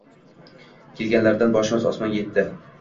Keganlaringdan boshimiz osmonga yetdi..